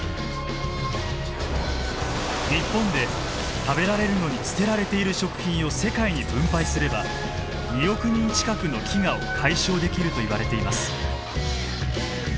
日本で食べられるのに捨てられている食品を世界に分配すれば２億人近くの飢餓を解消できるといわれています。